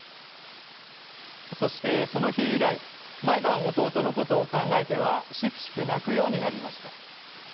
そしてその日以来毎晩弟のことを考えてはシクシク泣くようになりました。